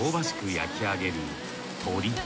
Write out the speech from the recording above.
焼き上げる鶏。